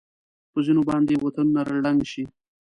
په ځېنو باندې وطنونه ړنګ شي.